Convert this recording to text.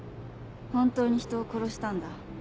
本当に人を殺したんだ。